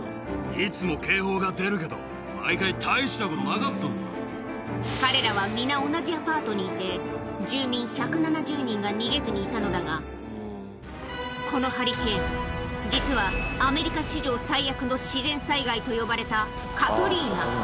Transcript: いつも警報が出るけど、彼らは皆、同じアパートにいて、住人１７０人が逃げずにいたのだが、このハリケーン、実はアメリカ史上最悪の自然災害と呼ばれた、カトリーナ。